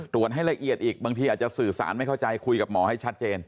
ให้ละเอียดอีกบางทีอาจจะสื่อสารไม่เข้าใจคุยกับหมอให้ชัดเจน